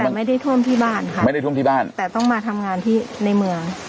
มันไม่ได้ท่วมที่บ้านค่ะไม่ได้ท่วมที่บ้านแต่ต้องมาทำงานที่ในเมือง